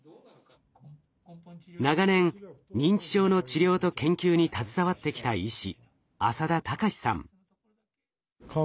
長年認知症の治療と研究に携わってきた医師